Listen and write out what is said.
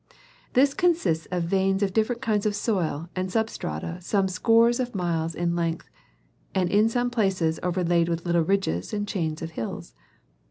This consists of veins of different kinds of soil and substrata some scores of miles in length ; and in some places overlaid with little ridges and chains of hills.